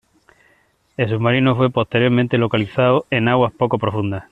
El submarino fue posteriormente localizado en aguas poco profundas.